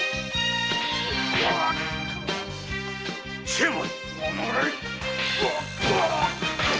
成敗！